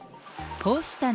こうした中。